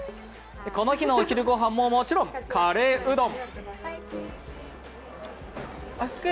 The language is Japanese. この日のお昼ごはんももちろんカレーうどん。